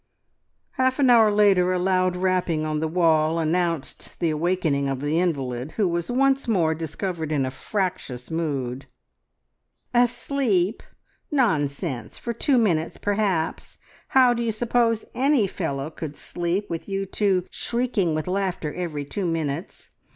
Half an hour later a loud rapping on the wall announced the awakening of the invalid, who was once more discovered in a fractious mood. "Asleep! Nonsense! For two minutes, perhaps. How d'you suppose any fellow could sleep, with you two shrieking with laughter every two minutes!